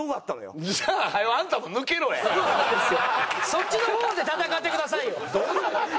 そっちの方で戦ってくださいよ。